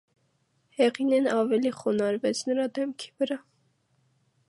Հեղինեն ավելի խոնարհվեց նրա դեմքի վրա: